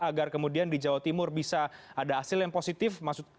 agar kemudian di jawa timur bisa ada hasil yang positif